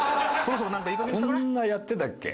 こんなやってたっけ？